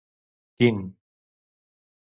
Quin